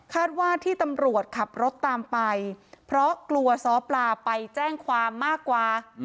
ว่าที่ตำรวจขับรถตามไปเพราะกลัวซ้อปลาไปแจ้งความมากกว่า